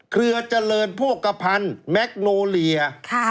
เครือเจริญโภคภัณฑ์แมคโนเลีย